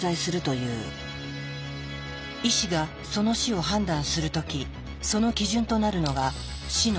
医師がその死を判断する時その基準となるのが「死の三兆候」だ。